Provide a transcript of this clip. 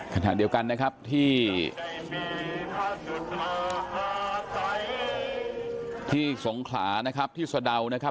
ขณะเดียวกันนะครับที่สงขลานะครับที่สะดาวนะครับ